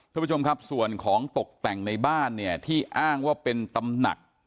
ท่านผู้ชมครับส่วนของตกแต่งในบ้านเนี่ยที่อ้างว่าเป็นตำหนัก